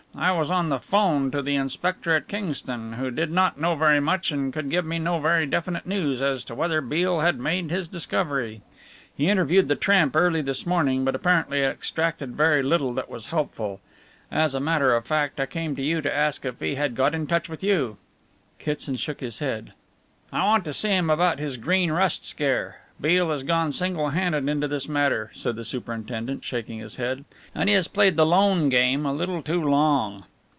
I was on the 'phone to the inspector at Kingston, who did not know very much and could give me no very definite news as to whether Beale had made his discovery. He interviewed the tramp early this morning, but apparently extracted very little that was helpful. As a matter of fact, I came to you to ask if he had got in touch with you." Kitson shook his head. "I want to see him about his Green Rust scare Beale has gone single handed into this matter," said the superintendent, shaking his head, "and he has played the lone game a little too long."